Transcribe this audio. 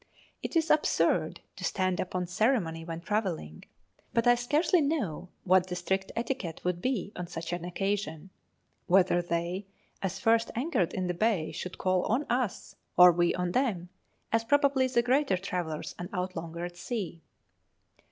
It is absurd to stand upon ceremony when travelling; but I scarcely know what the strict etiquette would be on such an occasion whether they, as first anchored in the bay, should call on us, or we on them, as probably the greater travellers and out longer at sea.